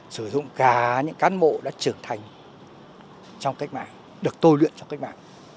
sử dụng cả những cán bộ đã trưởng thành trong cách mạng được tôi luyện trong cách mạng